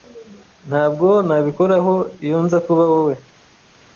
Ntabwo nabikoraho iyo nza kuba wowe.